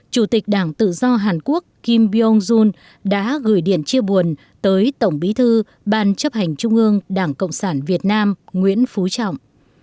chủ tịch đảng tự do hàn quốc kim bion đã gửi điện chia buồn tới tổng bí thư ban chấp hành trung ương đảng cộng sản việt nam nguyễn phú trọng